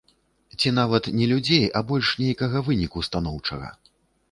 Ці нават не людзей, а больш нейкага выніку станоўчага.